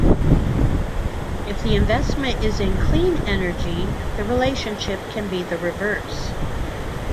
If the investment is in clean energy the relationship can be the reverse.